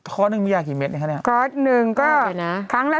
คอร์สนึงมีอย่างกี่เมตรเนี่ยคะเนี่ย